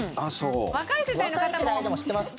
若い世代でも知ってますか？